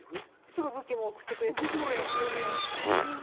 すぐ武器も送ってくれるという。